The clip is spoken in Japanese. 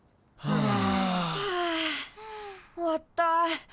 はあ終わった。